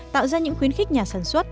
tạo ra những khuyến khích nhà sản xuất